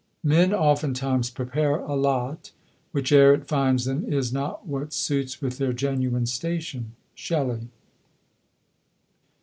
Men oftentimes prepare a lot, Which ere it finds them, is not what Suits with their genuine station. Shelley.